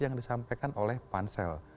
yang disampaikan oleh pansel